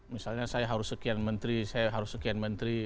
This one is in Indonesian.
misalnya saya harus sekian menteri saya harus sekian menteri